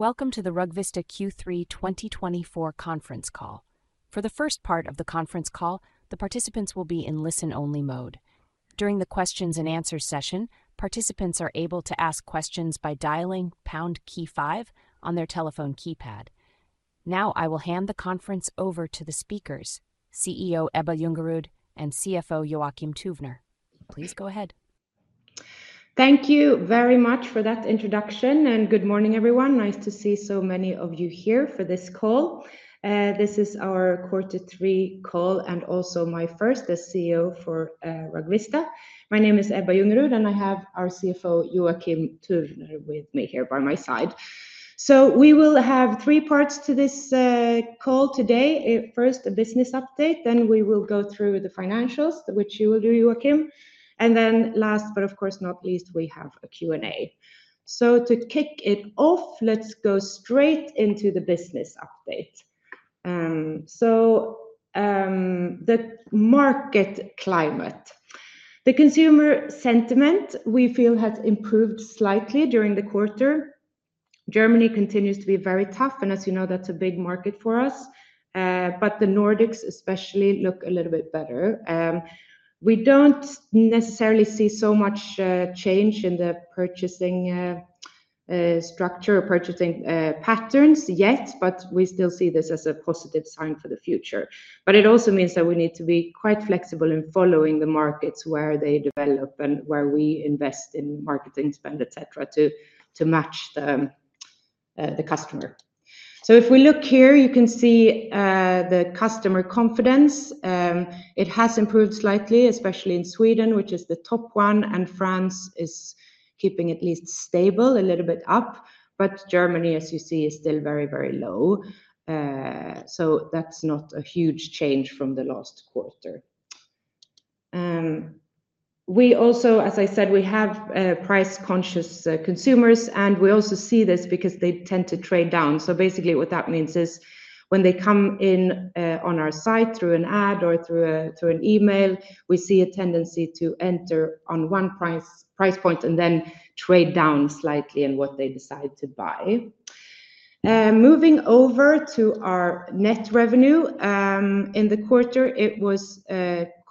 Welcome to the Rugvista Q3 2024 conference call. For the first part of the conference call, the participants will be in listen-only mode. During the Q&A session, participants are able to ask questions by dialing pound key five on their telephone keypad. Now, I will hand the conference over to the speakers, CEO Ebba Ljungerud and CFO Joakim Tuvner. Please go ahead. Thank you very much for that introduction, and good morning everyone. Nice to see so many of you here for this call. This is our quarter three call, and also my first as CEO for Rugvista. My name is Ebba Ljungerud, and I have our CFO Joakim Tuvner with me here by my side. We will have three parts to this call today. First, a business update, then we will go through the financials, which you will do, Joakim, and then last, but of course not least, we have a Q&A. To kick it off, let's go straight into the business update. The market climate. The consumer sentiment we feel has improved slightly during the quarter. Germany continues to be very tough, and as you know, that's a big market for us, but the Nordics especially look a little bit better. We don't necessarily see so much change in the purchasing structure or purchasing patterns yet, but we still see this as a positive sign for the future. It also means that we need to be quite flexible in following the markets where they develop and where we invest in marketing spend, etc., to match the customer. If we look here, you can see the consumer confidence. It has improved slightly, especially in Sweden, which is the top one, and France is keeping at least stable, a little bit up. Germany, as you see, is still very, very low. That's not a huge change from the last quarter. We also, as I said, we have price-conscious consumers, and we also see this because they tend to trade down. So basically what that means is when they come in on our site through an ad or through an email, we see a tendency to enter on one price point and then trade down slightly in what they decide to buy. Moving over to our net revenue. In the quarter, it was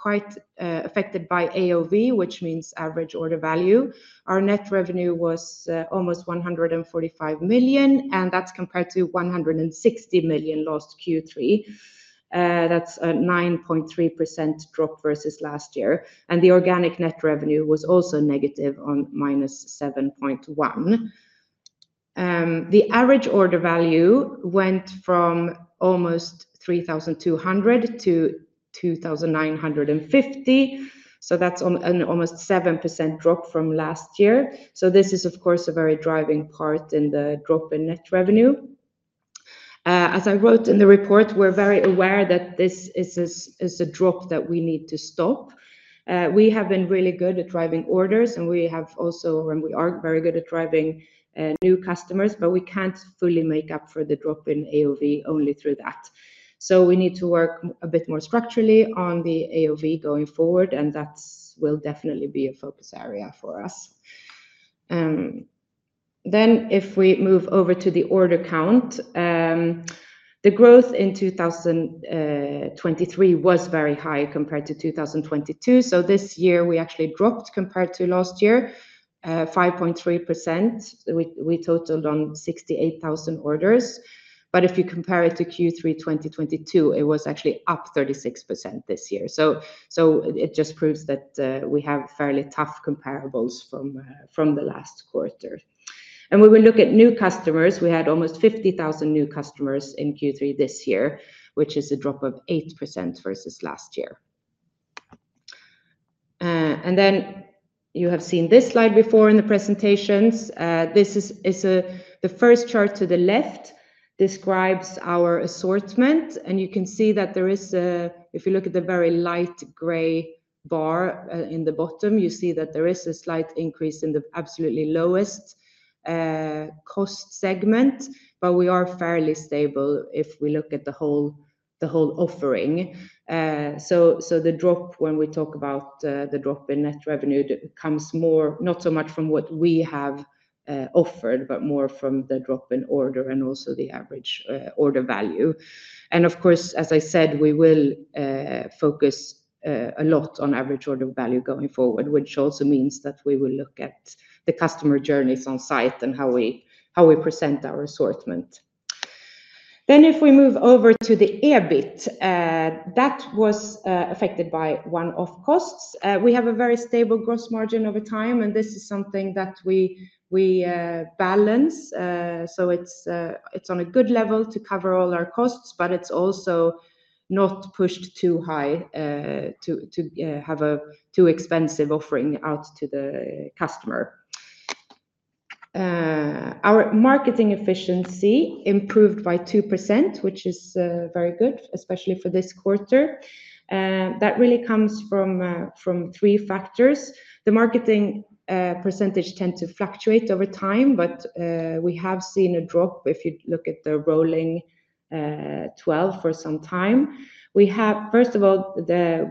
quite affected by AOV, which means average order value. Our net revenue was almost 145 million, and that's compared to 160 million last Q3. That's a 9.3% drop versus last year. And the organic net revenue was also negative on -7.1%. The average order value went from almost 3,200 to 2,950. So that's an almost 7% drop from last year. So this is, of course, a very driving part in the drop in net revenue. As I wrote in the report, we're very aware that this is a drop that we need to stop. We have been really good at driving orders, and we are very good at driving new customers, but we can't fully make up for the drop in AOV only through that. So we need to work a bit more structurally on the AOV going forward, and that will definitely be a focus area for us. If we move over to the order count, the growth in 2023 was very high compared to 2022. So this year we actually dropped compared to last year, 5.3%. We totaled 68,000 orders. But if you compare it to Q3 2022, it was actually up 36% this year. So it just proves that we have fairly tough comparables from the last quarter, and we will look at new customers. We had almost 50,000 new customers in Q3 this year, which is a drop of 8% versus last year. And then you have seen this slide before in the presentations. This is the first chart to the left describes our assortment, and you can see that there is, if you look at the very light gray bar in the bottom, you see that there is a slight increase in the absolutely lowest cost segment, but we are fairly stable if we look at the whole offering. So the drop, when we talk about the drop in net revenue, comes more not so much from what we have offered, but more from the drop in order and also the average order value. And of course, as I said, we will focus a lot on average order value going forward, which also means that we will look at the customer journeys on site and how we present our assortment. Then if we move over to the EBIT, that was affected by one-off costs. We have a very stable gross margin over time, and this is something that we balance. So it's on a good level to cover all our costs, but it's also not pushed too high to have a too expensive offering out to the customer. Our marketing efficiency improved by 2%, which is very good, especially for this quarter. That really comes from three factors. The marketing percentage tends to fluctuate over time, but we have seen a drop if you look at the rolling 12 for some time. We have, first of all,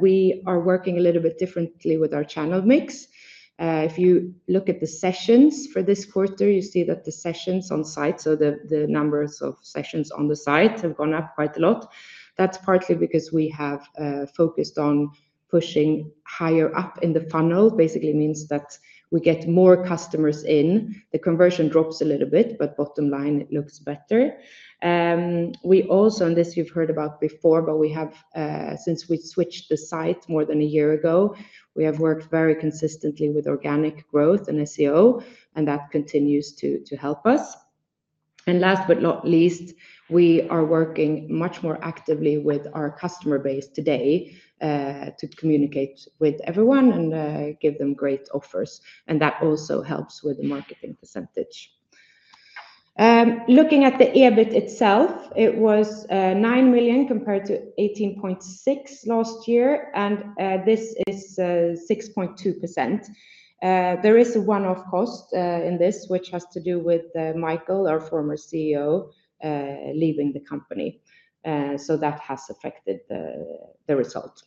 we are working a little bit differently with our channel mix. If you look at the sessions for this quarter, you see that the sessions on site, so the numbers of sessions on the site have gone up quite a lot. That's partly because we have focused on pushing higher up in the funnel. Basically means that we get more customers in. The conversion drops a little bit, but bottom line, it looks better. We also, and this you've heard about before, but we have, since we switched the site more than a year ago, we have worked very consistently with organic growth and SEO, and that continues to help us. And last but not least, we are working much more actively with our customer base today to communicate with everyone and give them great offers. And that also helps with the marketing percentage. Looking at the EBIT itself, it was 9 million compared to 18.6 million last year, and this is 6.2%. There is a one-off cost in this, which has to do with Michael, our former CEO, leaving the company. So that has affected the result.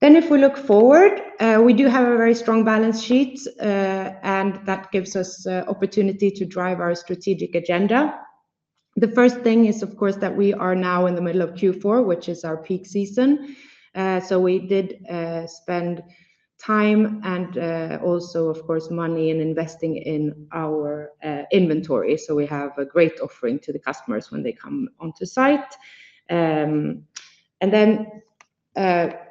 Then if we look forward, we do have a very strong balance sheet, and that gives us opportunity to drive our strategic agenda. The first thing is, of course, that we are now in the middle of Q4, which is our peak season. So we did spend time and also, of course, money in investing in our inventory. So we have a great offering to the customers when they come onto site. And then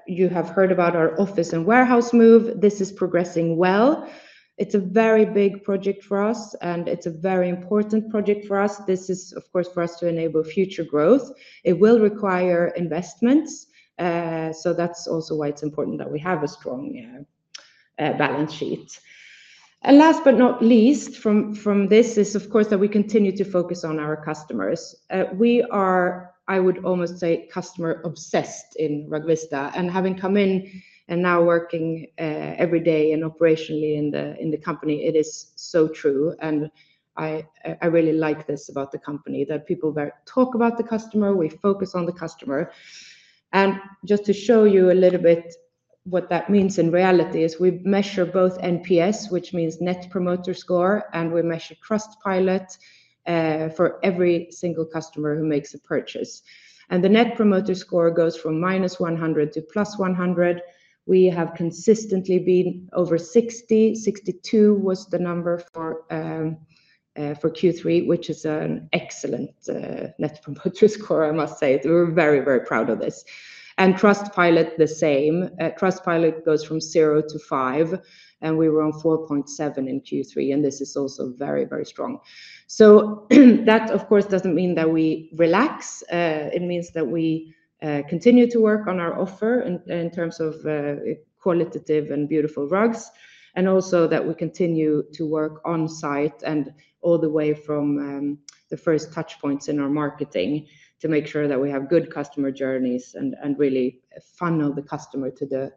you have heard about our office and warehouse move. This is progressing well. It's a very big project for us, and it's a very important project for us. This is, of course, for us to enable future growth. It will require investments. So that's also why it's important that we have a strong balance sheet. And last but not least from this is, of course, that we continue to focus on our customers. We are, I would almost say, customer-obsessed in Rugvista, and having come in and now working every day and operationally in the company, it is so true, and I really like this about the company, that people talk about the customer, we focus on the customer, and just to show you a little bit what that means in reality is we measure both NPS, which means Net Promoter Score, and we measure Trustpilot for every single customer who makes a purchase, and the Net Promoter Score goes from -100 to 100. We have consistently been over 60. 62 was the number for Q3, which is an excellent Net Promoter Score, I must say. We're very, very proud of this, and Trustpilot, the same. Trustpilot goes from zero to five, and we were on 4.7 in Q3, and this is also very, very strong. So that, of course, doesn't mean that we relax. It means that we continue to work on our offer in terms of qualitative and beautiful rugs, and also that we continue to work on site and all the way from the first touchpoints in our marketing to make sure that we have good customer journeys and really funnel the customer to the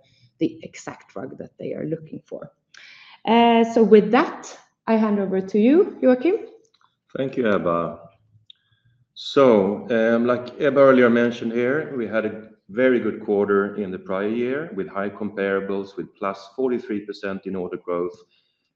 exact rug that they are looking for. So with that, I hand over to you, Joakim. Thank you, Ebba. So like Ebba earlier mentioned here, we had a very good quarter in the prior year with high comparables with plus 43% in order growth,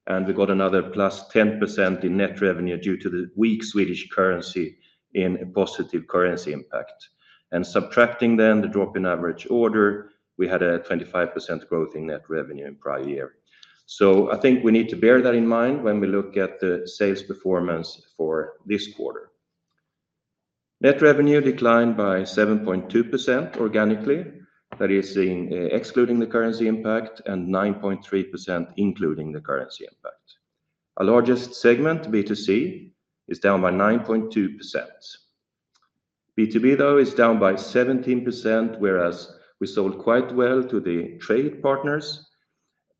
and we got another plus 10% in net revenue due to the weak Swedish currency in a positive currency impact, and subtracting then the drop in average order, we had a 25% growth in net revenue in prior year, so I think we need to bear that in mind when we look at the sales performance for this quarter. Net revenue declined by 7.2% organically, that is excluding the currency impact, and 9.3% including the currency impact. Our largest segment, B2C, is down by 9.2%. B2B, though, is down by 17%, whereas we sold quite well to the trade partners,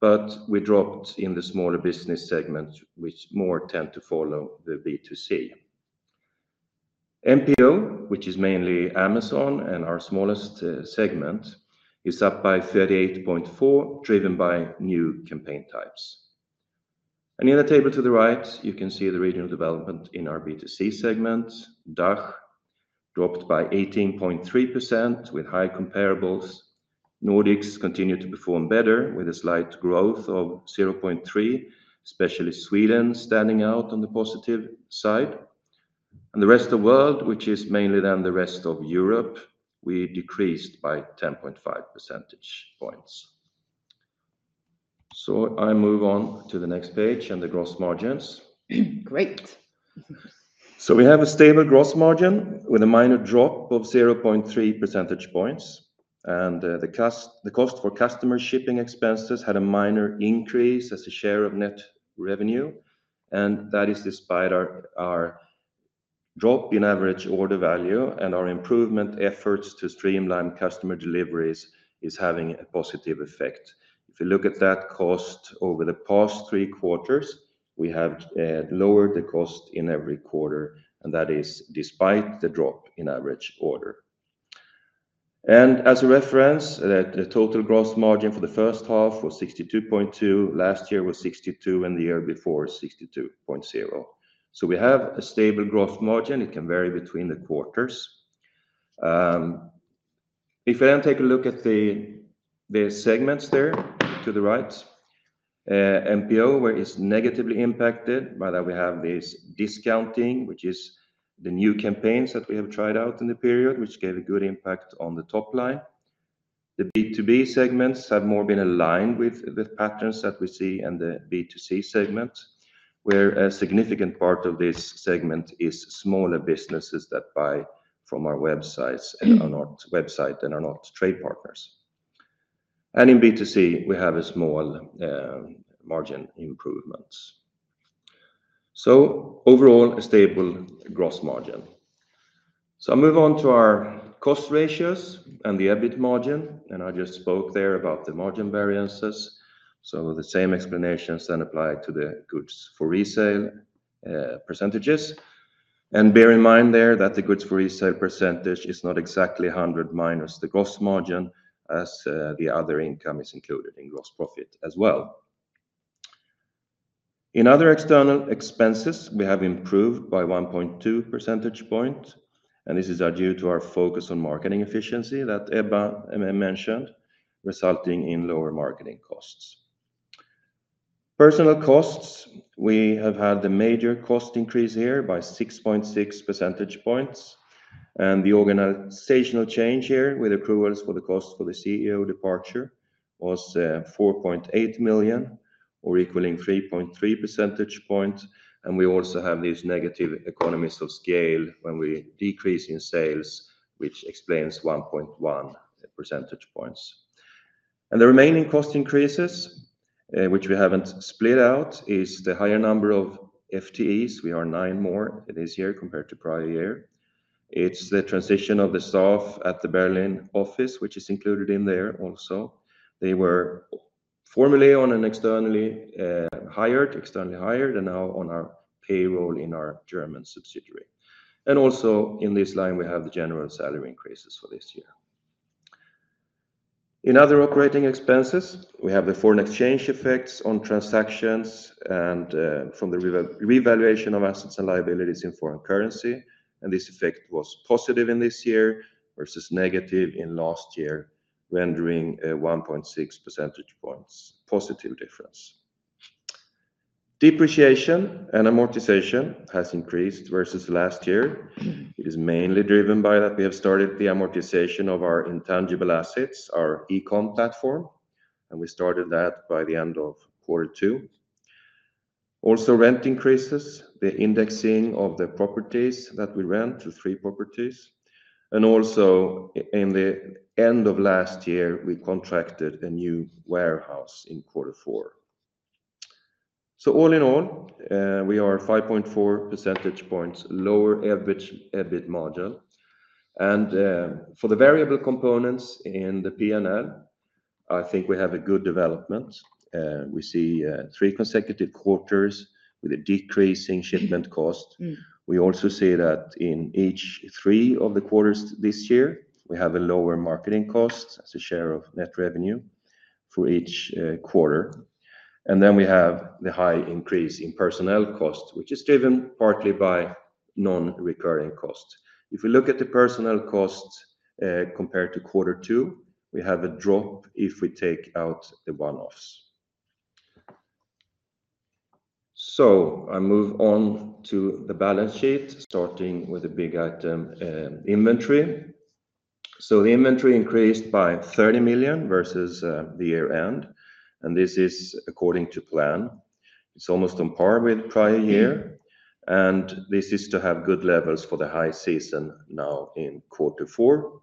but we dropped in the smaller business segment, which more tend to follow the B2C. MPO, which is mainly Amazon and our smallest segment, is up by 38.4%, driven by new campaign types. In the table to the right, you can see the regional development in our B2C segment. DACH dropped by 18.3% with high comparables. Nordics continue to perform better with a slight growth of 0.3%, especially Sweden standing out on the positive side. The rest of the world, which is mainly then the rest of Europe, we decreased by 10.5 percentage points. I move on to the next page and the gross margins. Great. We have a stable gross margin with a minor drop of 0.3 percentage points. The cost for customer shipping expenses had a minor increase as a share of net revenue. That is despite our drop in average order value and our improvement efforts to streamline customer deliveries is having a positive effect. If you look at that cost over the past three quarters, we have lowered the cost in every quarter, and that is despite the drop in average order. As a reference, the total gross margin for the first half was 62.2%. Last year was 62%, and the year before 62.0%. We have a stable gross margin. It can vary between the quarters. If I then take a look at the segments there to the right, MPO, where it's negatively impacted, but we have this discounting, which is the new campaigns that we have tried out in the period, which gave a good impact on the top line. The B2B segments have more been aligned with the patterns that we see in the B2C segment, where a significant part of this segment is smaller businesses that buy from our websites and are not trade partners, and in B2C, we have a small margin improvement, so overall, a stable gross margin, so I'll move on to our cost ratios and the EBIT margin, and I just spoke there about the margin variances, so the same explanations then apply to the goods for resale percentages. Bear in mind there that the goods for resale percentage is not exactly 100 minus the gross margin, as the other income is included in gross profit as well. In other external expenses, we have improved by 1.2 percentage points. This is due to our focus on marketing efficiency that Ebba mentioned, resulting in lower marketing costs. Personnel costs, we have had the major cost increase here by 6.6 percentage points. The organizational change here with accruals for the cost for the CEO departure was 4.8 million, or equaling 3.3 percentage points. We also have these negative economies of scale when we decrease in sales, which explains 1.1 percentage points. The remaining cost increases, which we haven't split out, is the higher number of FTEs. We are nine more this year compared to prior year. It's the transition of the staff at the Berlin office, which is included in there also. They were formerly on an externally hired, and now on our payroll in our German subsidiary. And also in this line, we have the general salary increases for this year. In other operating expenses, we have the foreign exchange effects on transactions and from the revaluation of assets and liabilities in foreign currency. And this effect was positive in this year versus negative in last year, rendering a 1.6 percentage points positive difference. Depreciation and amortization has increased versus last year. It is mainly driven by that we have started the amortization of our intangible assets, our e-comm platform, and we started that by the end of quarter two. Also rent increases, the indexing of the properties that we rent to three properties. And also in the end of last year, we contracted a new warehouse in quarter four. So all in all, we are 5.4 percentage points lower EBIT margin. And for the variable components in the P&L, I think we have a good development. We see three consecutive quarters with a decreasing shipment cost. We also see that in each three of the quarters this year, we have a lower marketing cost as a share of net revenue for each quarter. And then we have the high increase in personnel cost, which is driven partly by non-recurring cost. If we look at the personnel cost compared to quarter two, we have a drop if we take out the one-offs. So I move on to the balance sheet, starting with a big item, inventory. So the inventory increased by 30 million versus the year-end. And this is according to plan. It's almost on par with prior year. And this is to have good levels for the high season now in quarter four.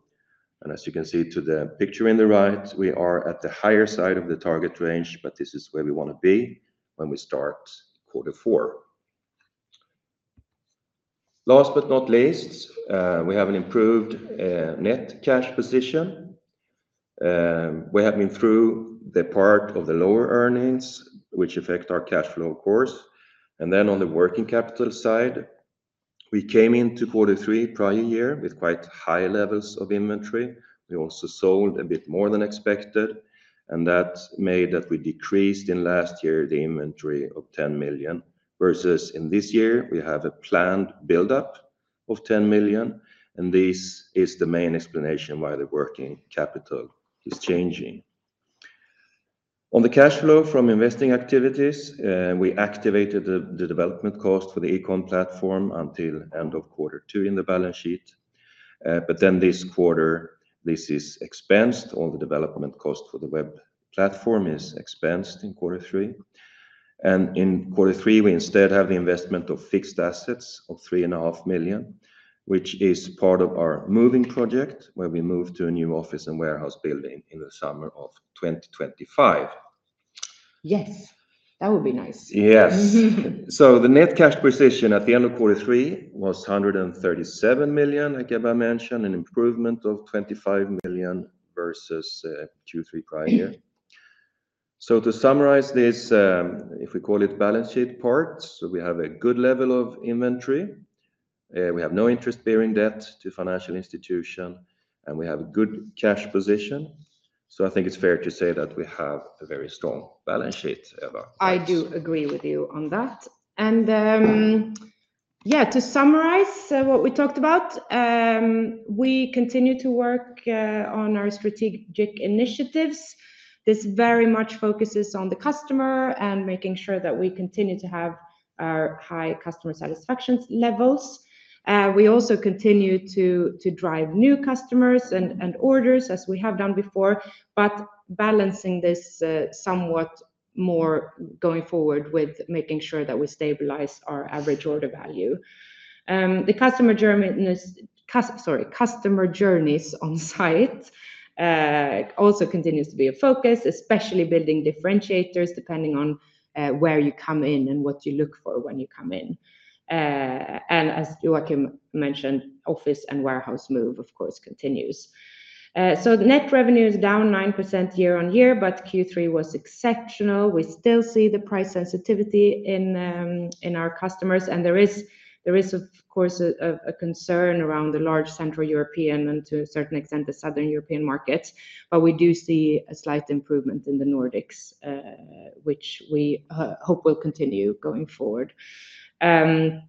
And as you can see to the picture in the right, we are at the higher side of the target range, but this is where we want to be when we start quarter four. Last but not least, we have an improved net cash position. We have been through the part of the lower earnings, which affect our cash flow, of course. And then on the working capital side, we came into quarter three prior year with quite high levels of inventory. We also sold a bit more than expected. And that made that we decreased in last year the inventory of 10 million versus in this year, we have a planned build-up of 10 million. And this is the main explanation why the working capital is changing. On the cash flow from investing activities, we activated the development cost for the e-comm platform until end of quarter two in the balance sheet, but then this quarter this is expensed. All the development cost for the web platform is expensed in quarter three, and in quarter three we instead have the investment of fixed assets of 3.5 million, which is part of our moving project where we moved to a new office and warehouse building in the summer of 2025. Yes, that would be nice. Yes. So the net cash position at the end of quarter three was 137 million, like Ebba mentioned, an improvement of 25 million versus Q3 prior year. So to summarize this, if we call it balance sheet part, so we have a good level of inventory. We have no interest-bearing debt to financial institution, and we have a good cash position. So I think it's fair to say that we have a very strong balance sheet, Ebba. I do agree with you on that. And yeah, to summarize what we talked about, we continue to work on our strategic initiatives. This very much focuses on the customer and making sure that we continue to have our high customer satisfaction levels. We also continue to drive new customers and orders as we have done before, but balancing this somewhat more going forward with making sure that we stabilize our average order value. The customer journeys on site also continues to be a focus, especially building differentiators depending on where you come in and what you look for when you come in. And as Joakim mentioned, office and warehouse move, of course, continues. So net revenue is down 9% year on year, but Q3 was exceptional. We still see the price sensitivity in our customers. There is, of course, a concern around the large Central European and to a certain extent the Southern European markets, but we do see a slight improvement in the Nordics, which we hope will continue going forward. We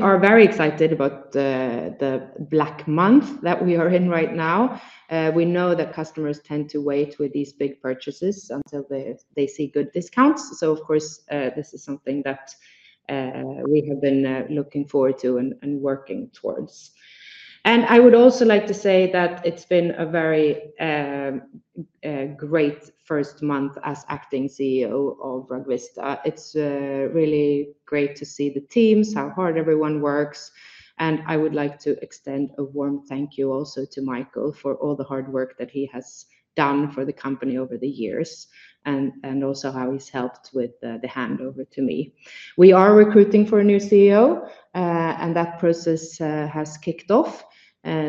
are very excited about the Black Month that we are in right now. We know that customers tend to wait with these big purchases until they see good discounts. Of course, this is something that we have been looking forward to and working towards. I would also like to say that it's been a very great first month as acting CEO of RugVista. It's really great to see the teams, how hard everyone works. And I would like to extend a warm thank you also to Michael for all the hard work that he has done for the company over the years and also how he's helped with the handover to me. We are recruiting for a new CEO, and that process has kicked off.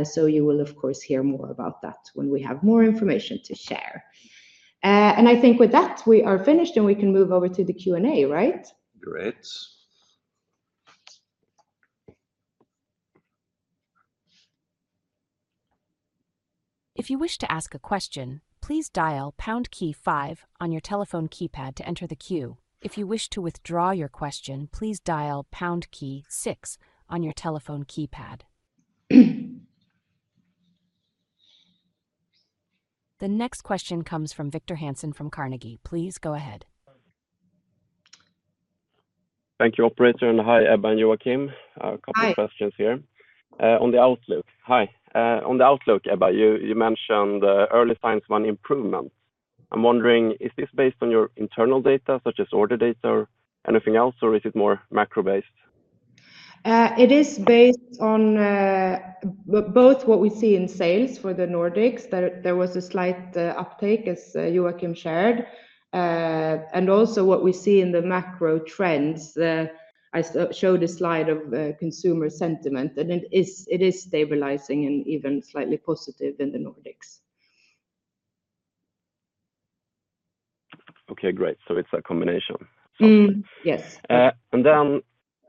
So you will, of course, hear more about that when we have more information to share. And I think with that, we are finished and we can move over to the Q&A, right? Great. If you wish to ask a question, please dial pound key five on your telephone keypad to enter the queue. If you wish to withdraw your question, please dial pound key six on your telephone keypad. The next question comes from Victor Hansen from Carnegie. Please go ahead. Thank you, Operator. And hi, Ebba and Joakim. A couple of questions here. On the Outlook, Ebba, you mentioned early signs of an improvement. I'm wondering, is this based on your internal data, such as order data or anything else, or is it more macro-based? It is based on both what we see in sales for the Nordics. There was a slight uptake, as Joakim shared, and also what we see in the macro trends. I showed a slide of consumer sentiment, and it is stabilizing and even slightly positive in the Nordics. Okay, great. So it's a combination. Yes. And then,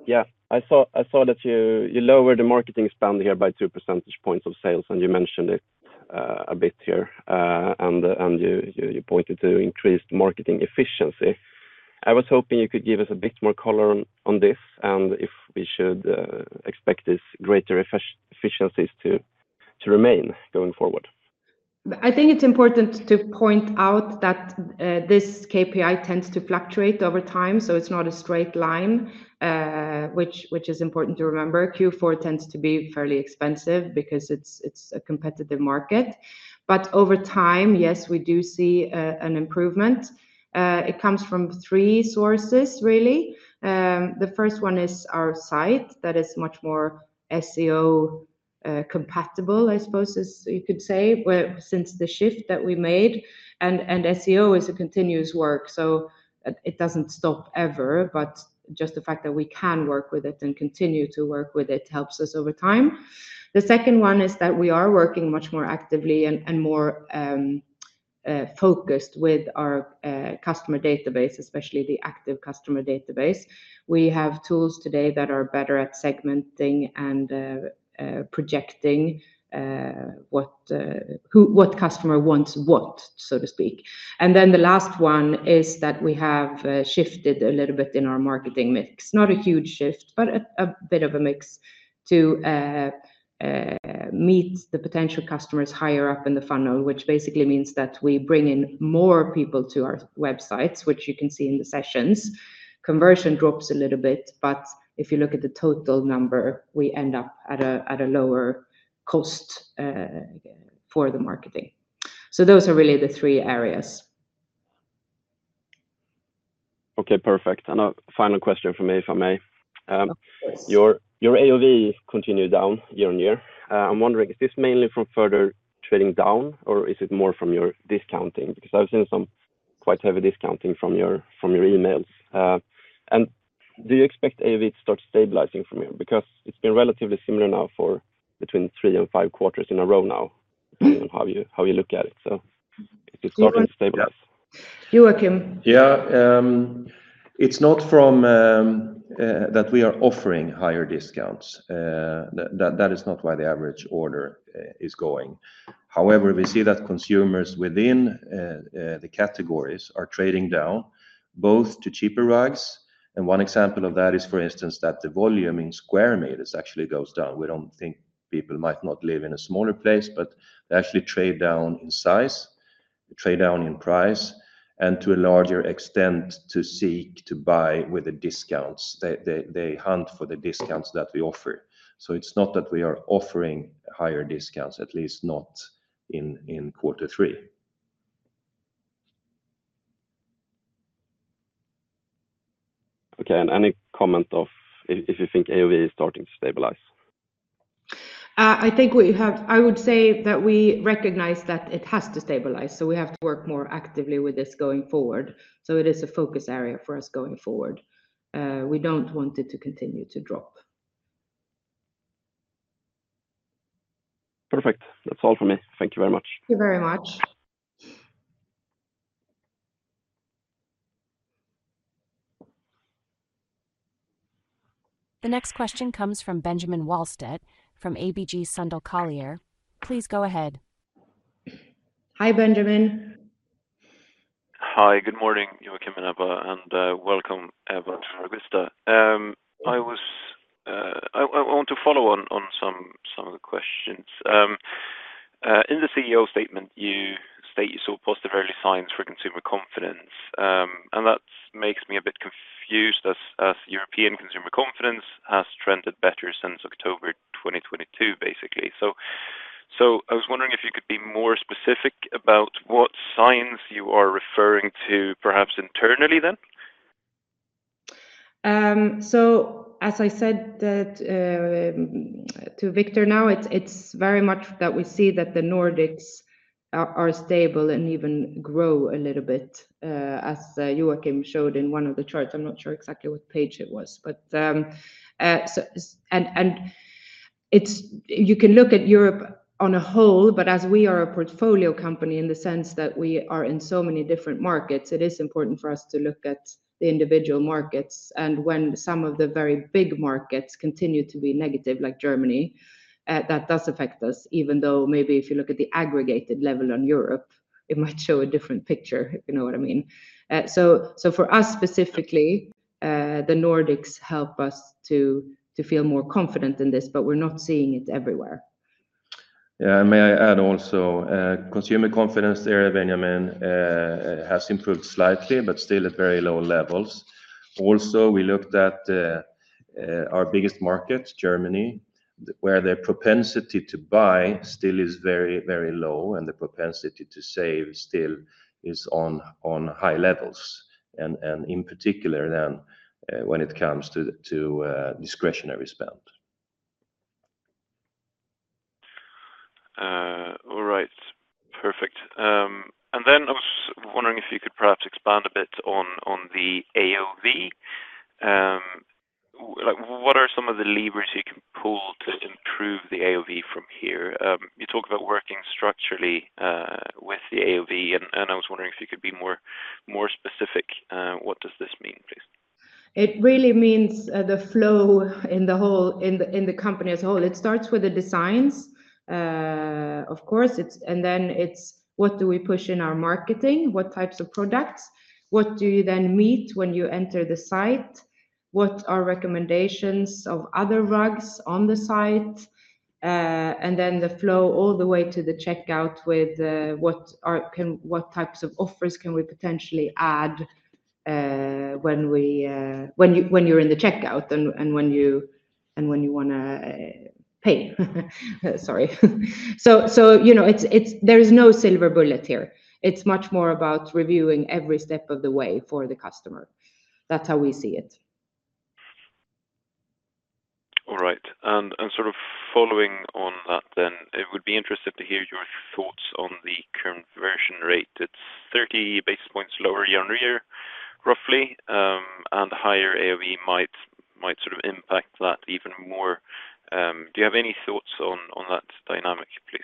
yeah, I saw that you lowered the marketing spend here by two percentage points of sales, and you mentioned it a bit here. And you pointed to increased marketing efficiency. I was hoping you could give us a bit more color on this and if we should expect these greater efficiencies to remain going forward. I think it's important to point out that this KPI tends to fluctuate over time, so it's not a straight line, which is important to remember. Q4 tends to be fairly expensive because it's a competitive market. But over time, yes, we do see an improvement. It comes from three sources, really. The first one is our site that is much more SEO-compatible, I suppose you could say, since the shift that we made. And SEO is a continuous work, so it doesn't stop ever, but just the fact that we can work with it and continue to work with it helps us over time. The second one is that we are working much more actively and more focused with our customer database, especially the active customer database. We have tools today that are better at segmenting and projecting what customer wants, so to speak. And then the last one is that we have shifted a little bit in our marketing mix. Not a huge shift, but a bit of a mix to meet the potential customers higher up in the funnel, which basically means that we bring in more people to our websites, which you can see in the sessions. Conversion drops a little bit, but if you look at the total number, we end up at a lower cost for the marketing. So those are really the three areas. Okay, perfect. And a final question for me, if I may. Your AOV continued down year on year. I'm wondering, is this mainly from further trading down, or is it more from your discounting? Because I've seen some quite heavy discounting from your emails. And do you expect AOV to start stabilizing from here? Because it's been relatively similar now for between three and five quarters in a row now, depending on how you look at it. So is it starting to stabilize? Joakim. Yeah. It's not from that we are offering higher discounts. That is not why the average order is going. However, we see that consumers within the categories are trading down both to cheaper rugs, and one example of that is, for instance, that the volume in square meters actually goes down. We don't think people might not live in a smaller place, but they actually trade down in size, trade down in price, and to a larger extent to seek to buy with the discounts. They hunt for the discounts that we offer. So it's not that we are offering higher discounts, at least not in quarter three. Okay. Any comment on if you think AOV is starting to stabilize? I think what you have, I would say that we recognize that it has to stabilize. So we have to work more actively with this going forward. So it is a focus area for us going forward. We don't want it to continue to drop. Perfect. That's all for me. Thank you very much. Thank you very much. The next question comes from Benjamin Wahlstedt from ABG Sundal Collier. Please go ahead. Hi, Benjamin. Hi, good morning, Joakim and Ebba, and welcome, Ebba, to RugVista. I want to follow on some of the questions. In the CEO statement, you state you saw positive early signs for consumer confidence. And that makes me a bit confused as European consumer confidence has trended better since October 2022, basically. So I was wondering if you could be more specific about what signs you are referring to, perhaps internally then? So as I said to Victor now, it's very much that we see that the Nordics are stable and even grow a little bit, as Joakim showed in one of the charts. I'm not sure exactly what page it was. And you can look at Europe as a whole, but as we are a portfolio company in the sense that we are in so many different markets, it is important for us to look at the individual markets. And when some of the very big markets continue to be negative, like Germany, that does affect us, even though maybe if you look at the aggregated level of Europe, it might show a different picture, if you know what I mean. So for us specifically, the Nordics help us to feel more confident in this, but we're not seeing it everywhere. Yeah. May I add also, consumer confidence there, Benjamin, has improved slightly, but still at very low levels. Also, we looked at our biggest market, Germany, where the propensity to buy still is very, very low, and the propensity to save still is on high levels, and in particular, then when it comes to discretionary spend. All right. Perfect. And then I was wondering if you could perhaps expand a bit on the AOV. What are some of the levers you can pull to improve the AOV from here? You talk about working structurally with the AOV, and I was wondering if you could be more specific. What does this mean, please? It really means the flow in the company as a whole. It starts with the designs, of course, and then it's what do we push in our marketing, what types of products, what do you then meet when you enter the site, what are recommendations of other rugs on the site, and then the flow all the way to the checkout with what types of offers can we potentially add when you're in the checkout and when you want to pay. Sorry, so there is no silver bullet here. It's much more about reviewing every step of the way for the customer. That's how we see it. All right, and sort of following on that then, it would be interesting to hear your thoughts on the conversion rate. It's 30 basis points lower year on year, roughly, and higher AOV might sort of impact that even more. Do you have any thoughts on that dynamic, please?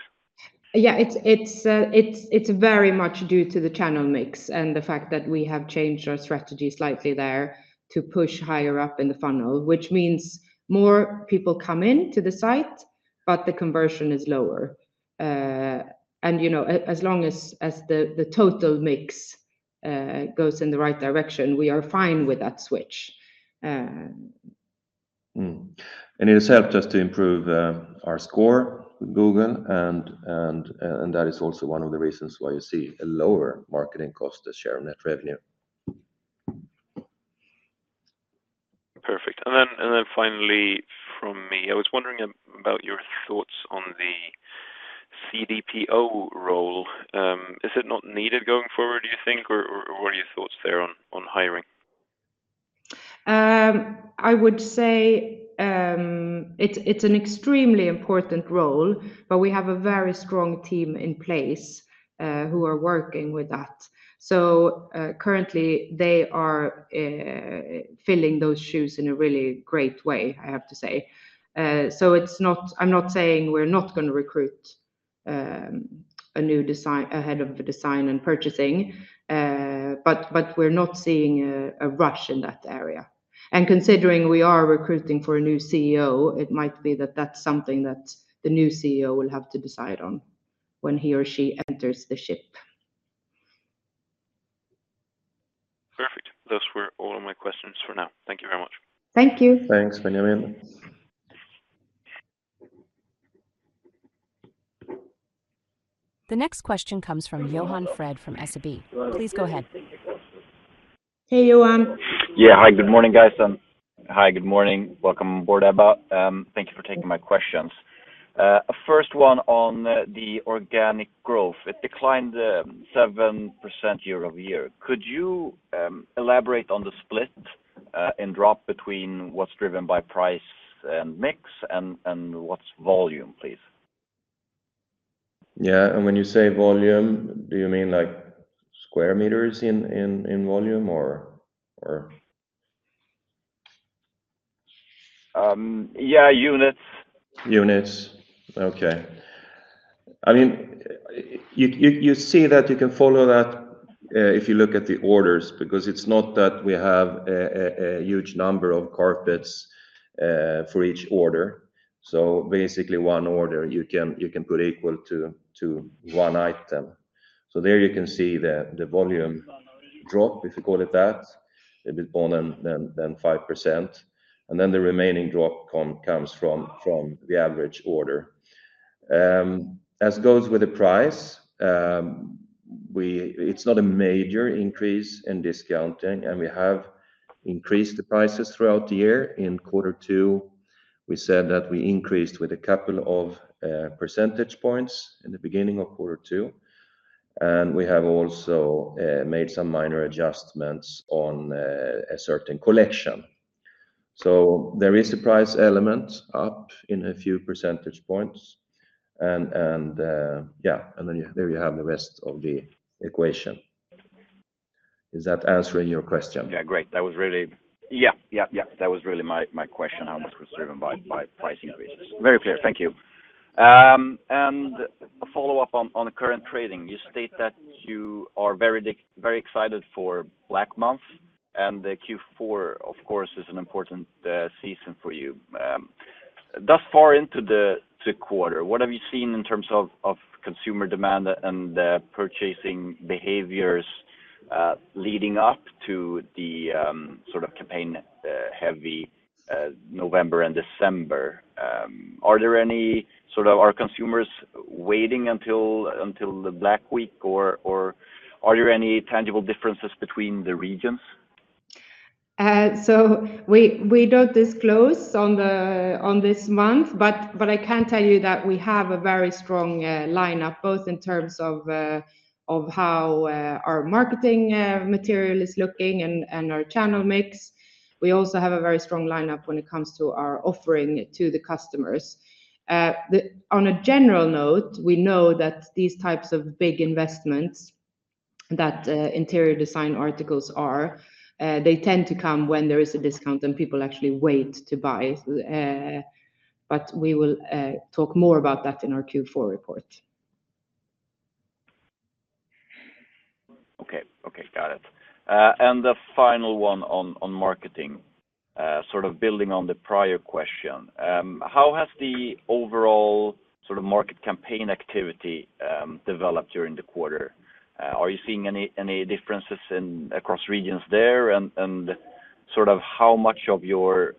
Yeah. It's very much due to the channel mix and the fact that we have changed our strategy slightly there to push higher up in the funnel, which means more people come into the site, but the conversion is lower. And as long as the total mix goes in the right direction, we are fine with that switch. It has helped us to improve our score with Google, and that is also one of the reasons why you see a lower marketing cost to share net revenue. Perfect. And then finally from me, I was wondering about your thoughts on the CDPO role. Is it not needed going forward, do you think, or what are your thoughts there on hiring? I would say it's an extremely important role, but we have a very strong team in place who are working with that. So currently, they are filling those shoes in a really great way, I have to say. So I'm not saying we're not going to recruit a new head of design and purchasing, but we're not seeing a rush in that area. And considering we are recruiting for a new CEO, it might be that that's something that the new CEO will have to decide on when he or she enters the ship. Perfect. Those were all of my questions for now. Thank you very much. Thank you. Thanks, Benjamin. The next question comes from Johan Fred from SEB. Please go ahead. Hey, Johan. Yeah. Hi, good morning, guys. Hi, good morning. Welcome on board, Ebba. Thank you for taking my questions. First one on the organic growth. It declined 7% year over year. Could you elaborate on the split and drop between what's driven by price and mix and what's volume, please? Yeah. And when you say volume, do you mean like square meters in volume or? Yeah, units. Units. Okay. I mean, you see that you can follow that if you look at the orders because it's not that we have a huge number of carpets for each order. So basically, one order, you can put equal to one item. So there you can see the volume drop, if you call it that, a bit more than 5%. And then the remaining drop comes from the average order. As goes with the price, it's not a major increase in discounting, and we have increased the prices throughout the year. In quarter two, we said that we increased with a couple of percentage points in the beginning of quarter two. And we have also made some minor adjustments on a certain collection. So there is a price element up in a few percentage points. And yeah, and then there you have the rest of the equation. Is that answering your question? Yeah, great. That was really yeah, yeah, yeah. That was really my question, how much was driven by price increases. Very clear. Thank you. And a follow-up on the current trading. You state that you are very excited for Black Month, and Q4, of course, is an important season for you. Thus far into the quarter, what have you seen in terms of consumer demand and purchasing behaviors leading up to the sort of campaign-heavy November and December? Are there any sort of consumers waiting until the Black Week, or are there any tangible differences between the regions? So we don't disclose on this month, but I can tell you that we have a very strong lineup, both in terms of how our marketing material is looking and our channel mix. We also have a very strong lineup when it comes to our offering to the customers. On a general note, we know that these types of big investments that interior design articles are, they tend to come when there is a discount and people actually wait to buy. But we will talk more about that in our Q4 report. Okay. Okay, got it. And the final one on marketing, sort of building on the prior question. How has the overall sort of market campaign activity developed during the quarter? Are you seeing any differences across regions there? And sort of how much of your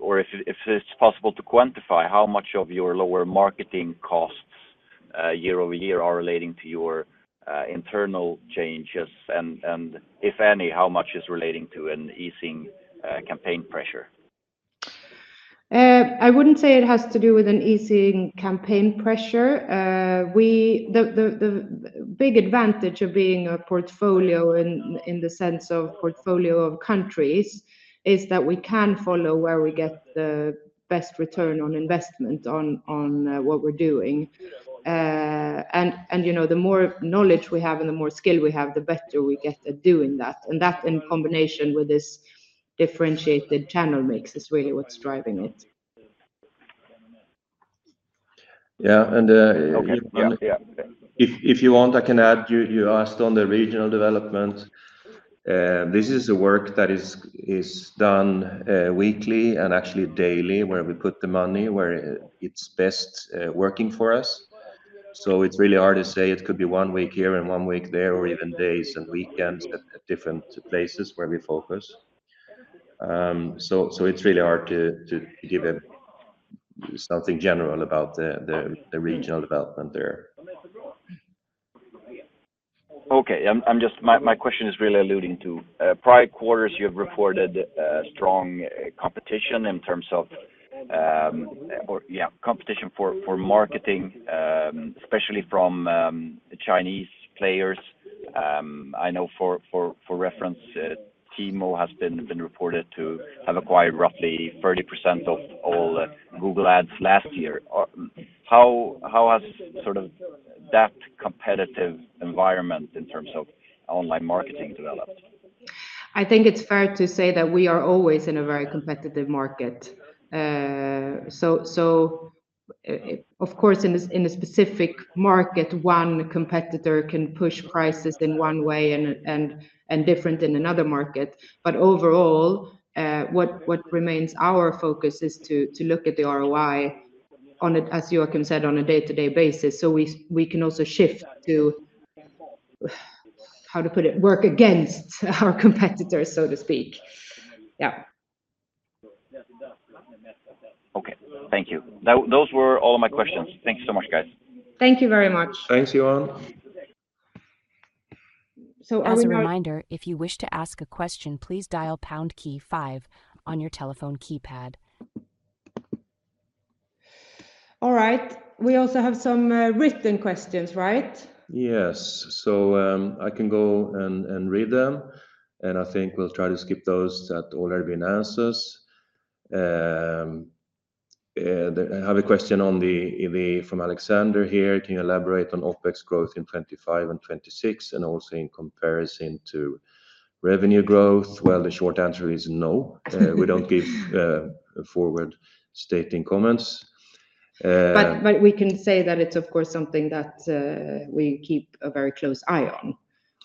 or if it's possible to quantify how much of your lower marketing costs year over year are relating to your internal changes? And if any, how much is relating to an easing campaign pressure? I wouldn't say it has to do with an easing campaign pressure. The big advantage of being a portfolio in the sense of portfolio of countries is that we can follow where we get the best return on investment on what we're doing. And the more knowledge we have and the more skill we have, the better we get at doing that. And that, in combination with this differentiated channel mix, is really what's driving it. Yeah. And if you want, I can add you asked on the regional development. This is the work that is done weekly and actually daily where we put the money where it's best working for us. So it's really hard to say. It could be one week here and one week there or even days and weekends at different places where we focus. So it's really hard to give something general about the regional development there. Okay. My question is really alluding to prior quarters. You have reported strong competition in terms of, yeah, competition for marketing, especially from Chinese players. I know for reference, Temu has been reported to have acquired roughly 30% of all Google ads last year. How has sort of that competitive environment in terms of online marketing developed? I think it's fair to say that we are always in a very competitive market. So of course, in a specific market, one competitor can push prices in one way and different in another market. But overall, what remains our focus is to look at the ROI, as Joakim said, on a day-to-day basis. So we can also shift to, how to put it, work against our competitors, so to speak. Yeah. Okay. Thank you. Those were all of my questions. Thank you so much, guys. Thank you very much. Thanks, Johan. As a reminder, if you wish to ask a question, please dial pound key five on your telephone keypad. All right. We also have some written questions, right? Yes, so I can go and read them. And I think we'll try to skip those that already been answered. I have a question from Alexander here. Can you elaborate on OpEx growth in 2025 and 2026 and also in comparison to revenue growth? Well, the short answer is no. We don't give forward-looking statements. But we can say that it's, of course, something that we keep a very close eye on.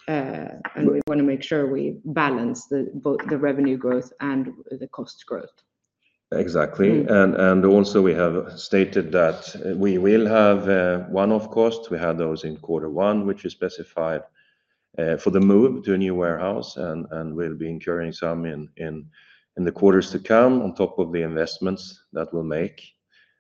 And we want to make sure we balance the revenue growth and the cost growth. Exactly, and also, we have stated that we will have one-off costs. We had those in quarter one, which is specified for the move to a new warehouse, and we'll be incurring some in the quarters to come on top of the investments that we'll make,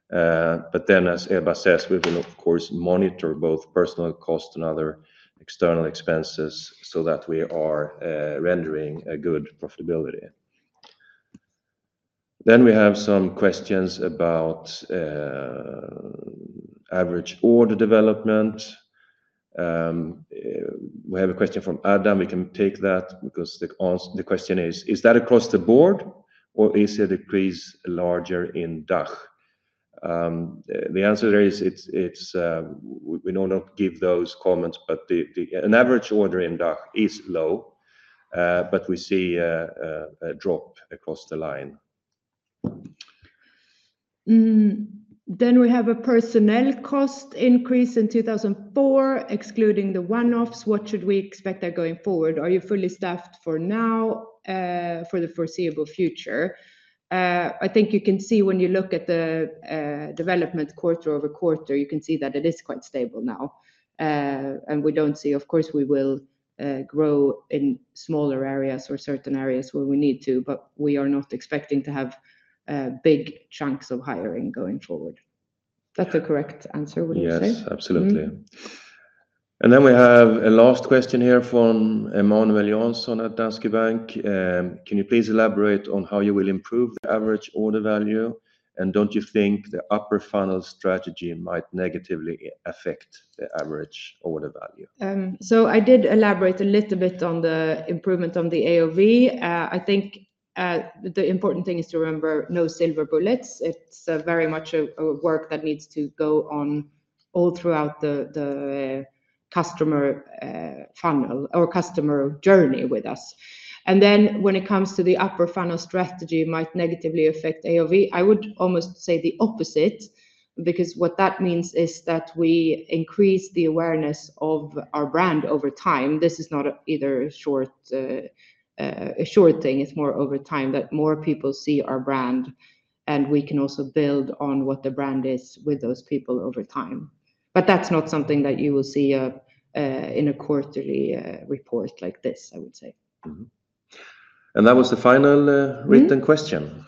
but then, as Ebba says, we will, of course, monitor both personnel costs and other external expenses so that we are rendering a good profitability, then we have some questions about average order development. We have a question from Adam. We can take that because the question is, is that across the board, or is it a decrease larger in DACH? The answer there is we don't give those comments, but an average order in DACH is low, but we see a drop across the line. Then we have a personnel cost increase in 2004. Excluding the one-offs, what should we expect going forward? Are you fully staffed for now for the foreseeable future? I think you can see when you look at the development quarter over quarter, you can see that it is quite stable now. And we don't see, of course, we will grow in smaller areas or certain areas where we need to, but we are not expecting to have big chunks of hiring going forward. That's the correct answer, would you say? Yes, absolutely. And then we have a last question here from Emanuel Jansson at Danske Bank. Can you please elaborate on how you will improve the average order value, and don't you think the upper funnel strategy might negatively affect the average order value? So I did elaborate a little bit on the improvement of the AOV. I think the important thing is to remember no silver bullets. It's very much a work that needs to go on all throughout the customer funnel or customer journey with us. And then when it comes to the upper funnel strategy, it might negatively affect AOV. I would almost say the opposite because what that means is that we increase the awareness of our brand over time. This is not either a short thing. It's more over time that more people see our brand, and we can also build on what the brand is with those people over time. But that's not something that you will see in a quarterly report like this, I would say. That was the final written question.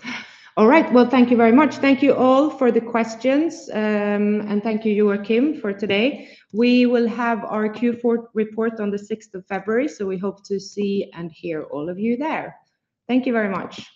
All right. Well, thank you very much. Thank you all for the questions. And thank you, Joakim, for today. We will have our Q4 report on the 6th of February, so we hope to see and hear all of you there. Thank you very much.